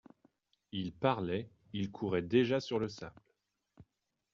Il parlait, il courait déjà sur le sable.